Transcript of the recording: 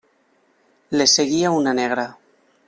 Les seguia una negra.